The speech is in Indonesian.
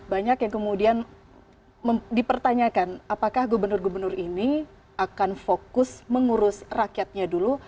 banyak yang kemudian dipertanyakan apakah gubernur gubernur ini akan fokus mengurus rakyatnya dulu